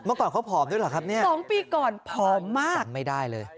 เมื่อก่อนเขาผอมด้วยเหรอครับเนี่ย๒ปีก่อนผอมมากจำไม่ได้เลย